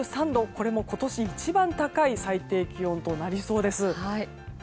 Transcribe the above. これも今年一番高い最低気温となりそうです。